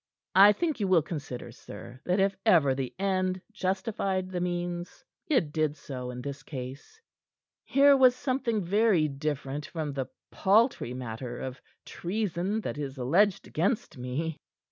I think you will consider, sir, that if ever the end justified the means, it did so in this case. Here was something very different from the paltry matter of treason that is alleged against me."